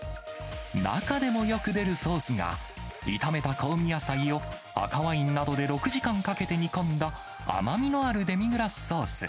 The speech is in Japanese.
中でもよく出るソースが、炒めた香味野菜を赤ワインなどで６時間かけて煮込んだ、甘みのあるデミグラスソース。